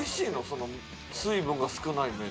その水分が少ない麺。